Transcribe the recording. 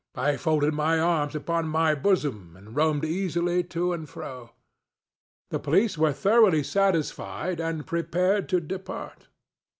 I folded my arms upon my bosom, and roamed easily to and fro. The police were thoroughly satisfied and prepared to depart.